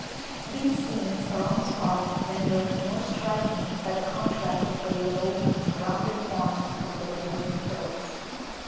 These scenes are on the spot rendered more striking by the contrast of the low rounded forms of the neighbouring hills.